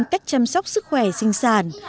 cách chăm sóc sức khỏe sinh sản